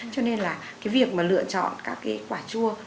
cho nên là cái việc mà lựa chọn các cái quả chua